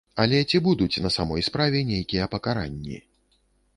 Але ці будуць на самой справе нейкія пакаранні?